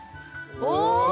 お！